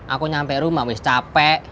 aku nyampe rumah wiss capek